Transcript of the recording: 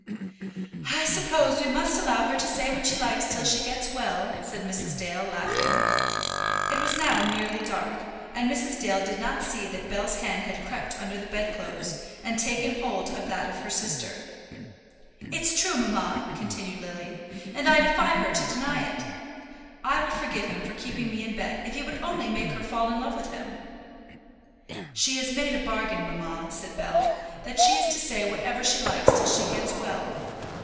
"I suppose we must allow her to say what she likes till she gets well," said Mrs. Dale, laughing. It was now nearly dark, and Mrs. Dale did not see that Bell's hand had crept under the bed clothes, and taken hold of that of her sister. "It's true, mamma," continued Lily, "and I defy her to deny it. I would forgive him for keeping me in bed if he would only make her fall in love with him." "She has made a bargain, mamma," said Bell, "that she is to say whatever she likes till she gets well."